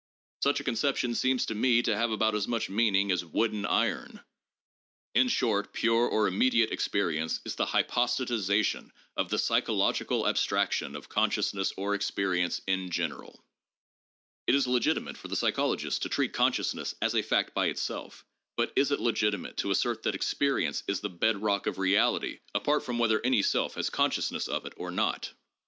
Such a conception seems to me to have about as much meaning as 'wooden iron.' In short, pure or immediate experience is the hy postatization of the psychological abstraction of consciousness or experience ' in general. ' It is legitimate for the psychologist to treat consciousness as a fact by itself, but is it legitimate to assert that experience is the bed rock of reality apart from whether any self has consciousness of it or not?